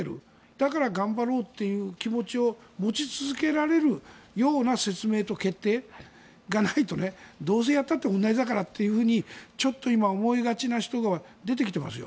だから、頑張ろうという気持ちを持ち続けられるような説明と決定がないとどうせやっても同じだからというちょっと今思いがちな人が出てきてますよ。